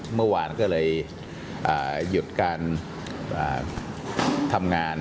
เมื่อวานก็เลยหยุดการทำงาน